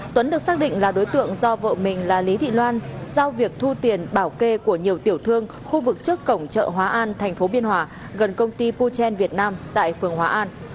tuấn được xác định là đối tượng do vợ mình là lý thị loan giao việc thu tiền bảo kê của nhiều tiểu thương khu vực trước cổng chợ hóa an thành phố biên hòa gần công ty puchen việt nam tại phường hóa an